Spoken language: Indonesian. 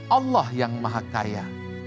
allah yang maha kaya